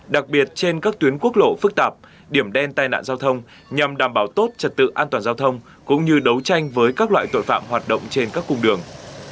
đặc biệt trên các tuyến quốc lộ phức tạp điểm đen tai nạn giao thông nhằm đảm bảo tốt trật tự an toàn giao thông cũng như đấu tranh với các loại tội phạm hoạt động trên các cung đường